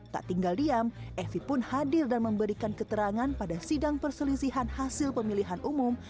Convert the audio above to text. tak tinggal diam evi pun hadir dan memberikan keterangan pada sidang perselisihan hasil pemilihan umum